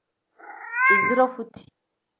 Izire futi.